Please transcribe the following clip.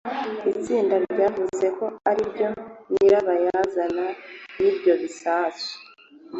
itsinda ryavuze ko ariryo nyirabayazana w'ibyo bisasu